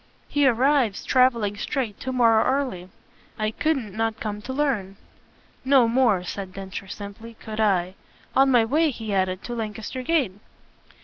"He arrives, travelling straight, to morrow early. I couldn't not come to learn." "No more," said Densher simply, "could I. On my way," he added, "to Lancaster Gate."